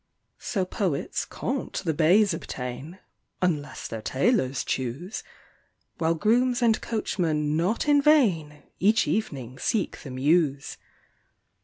So poets can't the baize obtain, unless their tailors choose; While grooms and coachmen not in vain each evening seek the Mews.